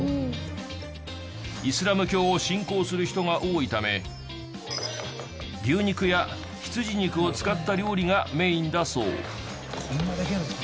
イスラム教を信仰する人が多いため牛肉や羊肉を使った料理がメインだそう。